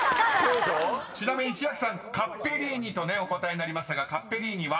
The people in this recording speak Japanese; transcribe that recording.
［ちなみに千秋さん「カッペリーニ」とお答えになりましたが「カッペリーニ」は？